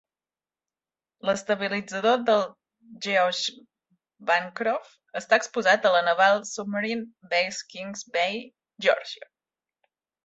L'estabilitzador del "Geoge Bancroft" està exposat a la "Naval Submarine Base Kings Bay", Geòrgia.